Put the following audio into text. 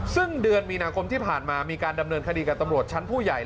ซึ่งเดือนมีนาคมที่ผ่านมามีการดำเนินคดีกับตำรวจชั้นผู้ใหญ่